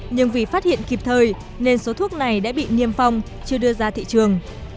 nhưng vì phát hiện kịp thời nên số thuốc này đã bị niêm phong chưa đưa ra thị trường